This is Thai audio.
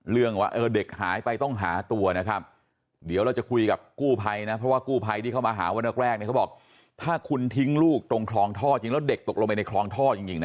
เรื่องว่าเด็กหายไปต้องหาตัวนะครับเดี๋ยวเราจะคุยกับกู้ภัยนะเพราะว่ากู้ภัยที่เข้ามาหาวันแรกเนี่ยเขาบอกถ้าคุณทิ้งลูกตรงคลองท่อจริงแล้วเด็กตกลงไปในคลองท่อจริงนะ